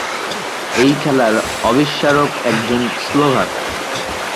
এই খেলার আবিষ্কারক একজন স্লোভাক।